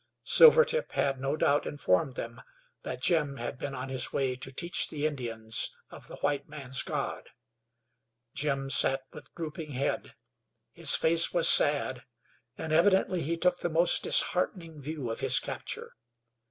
Silvertip had, no doubt, informed them that Jim had been on his way to teach the Indians of the white man's God. Jim sat with drooping head; his face was sad, and evidently he took the most disheartening view of his capture.